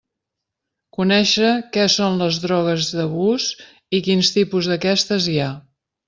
Conéixer què són les drogues d'abús i quins tipus d'aquestes hi ha.